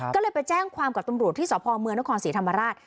ก็เลยไปแจ้งความกับตำรวจที่สมนศธรรมาราช